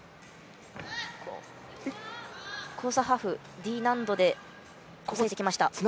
交差ハーフ、Ｄ難度でおさえてきました。